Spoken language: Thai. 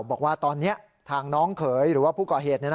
บอกว่าตอนนี้ทางน้องเขยหรือว่าผู้ก่อเหตุ